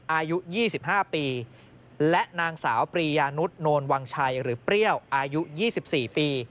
อายุ๒๕ปีและนางสาวปรียานุษย์โนนวังชัยหรือเปรี้ยวอายุ๒๔ปี